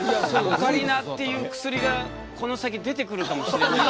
オカリナっていう薬がこの先出てくるかもしれない。